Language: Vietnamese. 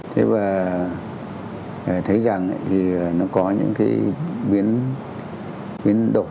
thế và thấy rằng thì nó có những cái biến động